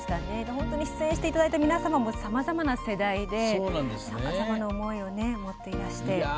出演していただいた皆様もさまざまな世代でさまざまな思いを持っていらして。